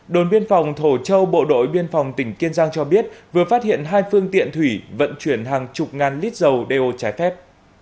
đồn biên phòng thổ châu bộ đội biên phòng tỉnh kiên giang cho biết vừa phát hiện hai phương tiện thủy vận chuyển hàng chục ngàn lít dầu đeo trái phép